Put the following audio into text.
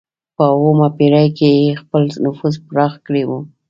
په اوومه پېړۍ کې یې خپل نفوذ پراخ کړی و.